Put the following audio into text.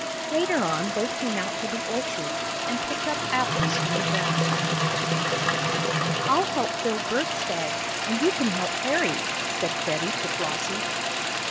Later on they came out to the orchard, and picked up apples from the ground. "I'll help fill Bert's bag, and you can help Harry," said Freddie to Flossie.